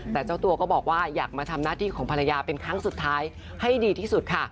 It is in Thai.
แต่เจ้าตัวก็บอกว่าอยากมาทำหน้าที่ของภรรยาเป็นครั้งสุดท้ายให้ดีที่สุดค่ะ